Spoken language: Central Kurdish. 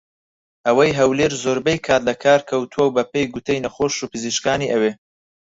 ئەوەی هەولێر زۆربەی کات لە کار کەوتووە بە پێی گوتەی نەخۆش و پزیشکانی ئەوێ